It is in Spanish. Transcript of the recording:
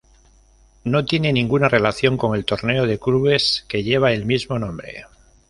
No tiene ninguna relación con el torneo de clubes que lleva el mismo nombre.